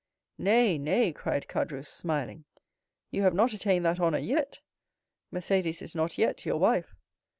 "Nay, nay!" cried Caderousse, smiling, "you have not attained that honor yet. Mercédès is not yet your wife.